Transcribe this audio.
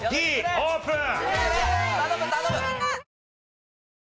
Ｄオープン！